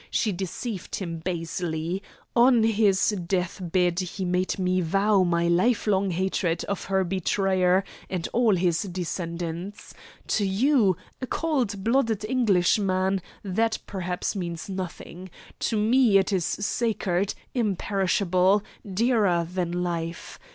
She deceived him basely. On his death bed he made me vow my lifelong hatred of her betrayer and all his descendants. To you, a cold blooded Englishman, that perhaps means nothing. To me it is sacred, imperishable, dearer than life.